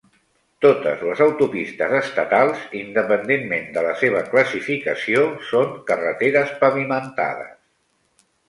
Totes les autopistes estatals, independentment de la seva classificació, són carreteres pavimentades.